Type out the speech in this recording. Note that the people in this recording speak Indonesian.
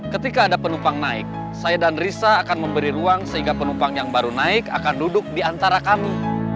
ketika ada penumpang naik saya dan risa akan memberi ruang sehingga penumpang yang baru naik akan duduk di antara kami